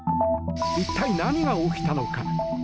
一体、何が起きたのか。